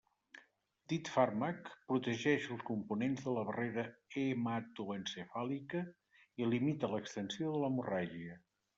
Dit fàrmac protegeix els components de la barrera hematoencefàlica i limita l'extensió de l'hemorràgia.